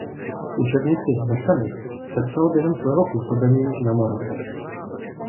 Učebnici "Mechanik" sepsal během svého působení na Moravě.